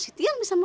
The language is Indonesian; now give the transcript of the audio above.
dia tidak nuntuk